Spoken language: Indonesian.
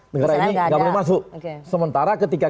negara ini gak boleh masuk oke sementara ketika